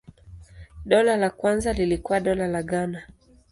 Dola la kwanza lilikuwa Dola la Ghana.